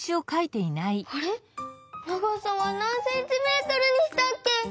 あれ長さはなんセンチメートルにしたっけ？